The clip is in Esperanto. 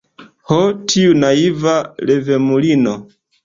Ho, tiu naiva revemulino!